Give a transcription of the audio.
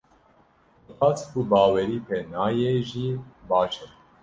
Bi qasî ku bawerî pê nayê jî baş e.